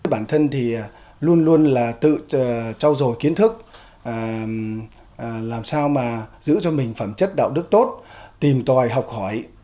bản thân thì luôn luôn là tự trao dồi kiến thức làm sao mà giữ cho mình phẩm chất đạo đức tốt tìm tòi học hỏi